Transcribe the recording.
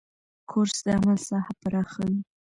کورس د عمل ساحه پراخوي.